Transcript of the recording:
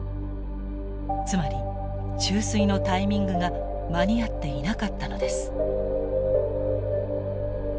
つまり注水のタイミングが間に合っていなかったのです。